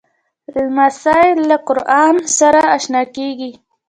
لمسی له قرآنه سره اشنا کېږي.